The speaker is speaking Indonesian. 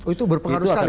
itu berpengaruh sekali